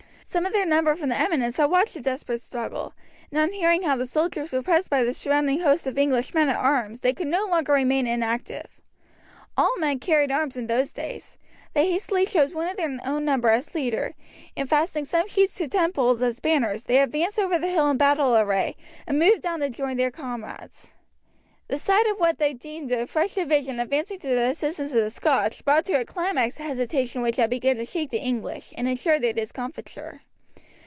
Some of their number from the eminence had watched the desperate struggle, and on hearing how their soldiers were pressed by the surrounding host of English men at arms they could no longer remain inactive. All men carried arms in those days. They hastily chose one of their own number as leader, and fastening some sheets to tent poles as banners, they advanced over the hill in battle array, and moved down to join their comrades. The sight of what they deemed a fresh division advancing to the assistance of the Scotch brought to a climax the hesitation which had begun to shake the English, and ensured their discomfiture.